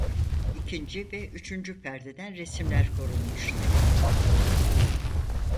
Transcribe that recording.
İkinci ve üçüncü perdeden resimler korunmuştur.